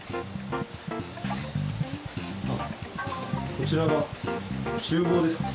こちらが厨房ですね。